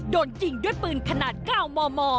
โดนยิงด้วยปืนขนาด๙มม